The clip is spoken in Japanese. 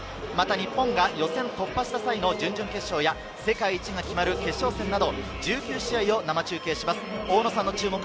また日本が予選突破した際の準々決勝や、世界一が決まる決勝戦など、１９試合を生中継します。